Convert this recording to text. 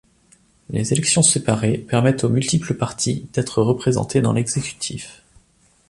Les élections séparées permettent aux multiples parties d'être représentées dans l'exécutif.